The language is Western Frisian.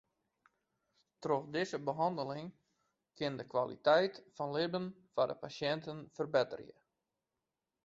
Troch dizze behanneling kin de kwaliteit fan libben fan de pasjinten ferbetterje.